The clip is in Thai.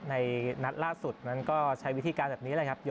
นัดล่าสุดนั้นก็ใช้วิธีการแบบนี้แหละครับ